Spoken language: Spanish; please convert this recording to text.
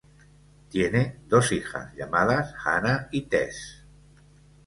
Tiene dos hijas, llamadas Hannah y Tess.